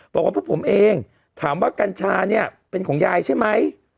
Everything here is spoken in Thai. บอกว่าพวกผมเองถามว่ากัญชาเนี่ยเป็นของยายใช่ไหม